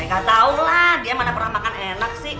gak tau lah dia mana pernah makan enak sih